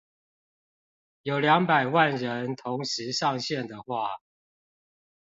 有兩百萬人同時上線的話